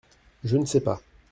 Je ne sais pas.